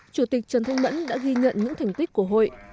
chủ tịch trần thanh mẫn đã ghi nhận những thành tích của hội